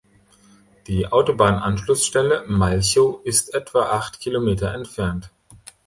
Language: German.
Die Autobahn-Anschlussstelle "Malchow" ist etwa acht Kilometer entfernt.